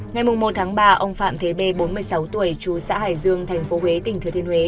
ngày một tháng ba ông phạm thế b bốn mươi sáu tuổi chú xã hải dương thành phố huế tỉnh thừa thiên huế